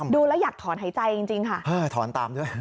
ดูแล้วอยากถอนหายใจจริงค่ะถอนตามด้วย